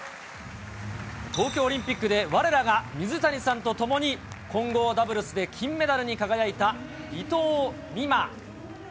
東京オリンピックで、われらが水谷さんと共に混合ダブルスで金メダルに輝いた伊藤美誠。